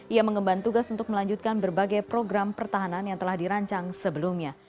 ia mengemban tugas untuk melanjutkan berbagai program pertahanan yang telah dirancang sebelumnya